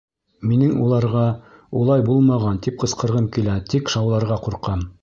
Минең уларға, улай булмаған, тип ҡысҡырғым килә, тик шауларға ҡурҡам.